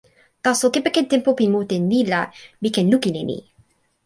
taso kepeken tenpo pi mute ni la, mi ken lukin e ni.